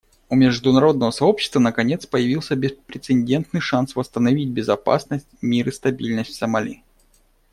У международного сообщества, наконец, появился беспрецедентный шанс восстановить безопасность, мир и стабильность в Сомали.